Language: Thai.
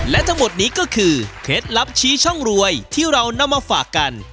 และทั้งหมดนี้ก็คือเคล็ดลับชี้ช่องรวยที่เรานำมาฝากกัน